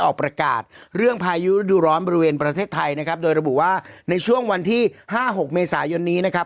ออกประกาศเรื่องพายุฤดูร้อนบริเวณประเทศไทยนะครับโดยระบุว่าในช่วงวันที่ห้าหกเมษายนนี้นะครับ